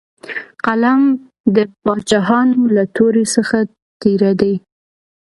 قلم د باچاهانو له تورې څخه تېره دی.